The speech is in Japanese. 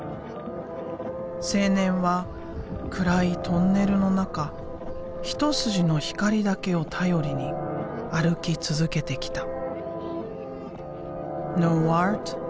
青年は暗いトンネルの中一筋の光だけを頼りに歩き続けてきた。